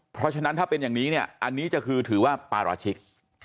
เพราะฉะนั้นถ้าเป็นอย่างนี้เนี่ยอันนี้จะคือถือว่าปาราชิก